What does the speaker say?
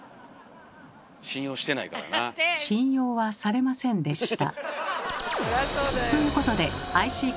信用はされませんでした。